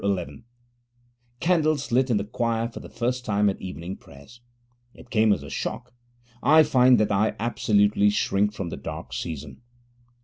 11._ Candles lit in the choir for the first time at evening prayers. It came as a shock: I find that I absolutely shrink from the dark season.